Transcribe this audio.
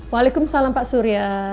waalaikumsalam pak surya